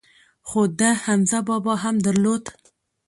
خو ده حمزه بابا هم درلود.